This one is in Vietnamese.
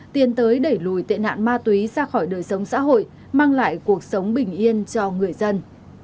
tiến tới đẩy lùi tệ nạn ma túy ra khỏi đời sống xã hội mang lại cuộc sống bình yên cho người dân